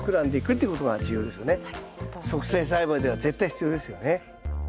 促成栽培では絶対必要ですよね。